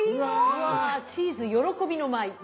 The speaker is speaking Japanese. うわチーズ喜びの舞い。